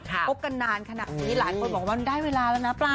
พบกันนานขนาดนี้หลายคนบอกว่ามันได้เวลาแล้วนะเปล่า